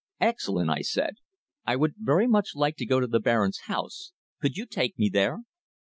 "Excellent," I said. "I would very much like to go to the Baron's house. Could you take me there?"